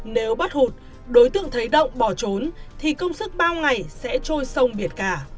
nếu bắt hụt đối tượng thấy động bỏ trốn thì công sức bao ngày sẽ trôi sông biển cả